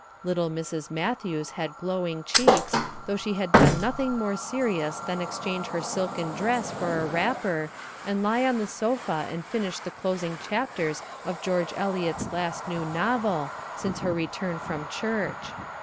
Little Mrs. Matthews had glowing cheeks, though she had done nothing more serious than exchange her silken dress for a wrapper, and lie on the sofa and finish the closing chapters of George Eliot's last new novel, since her return from church.